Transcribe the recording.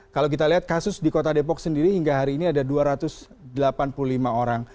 kalau kita lihat kasus di kota depok sendiri hingga hari ini ada dua ratus delapan puluh lima orang